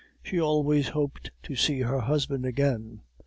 "She always hoped to see her husband again.